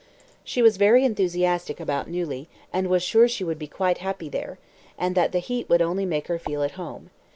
She was very enthusiastic about Neuilly, and was sure she would be quite happy there, and that the heat would only make her feel at home.